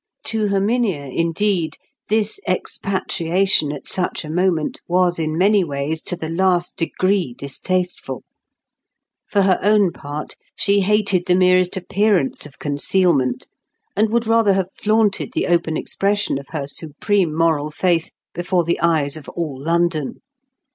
To Herminia, indeed, this expatriation at such a moment was in many ways to the last degree distasteful; for her own part, she hated the merest appearance of concealment, and would rather have flaunted the open expression of her supreme moral faith before the eyes of all London.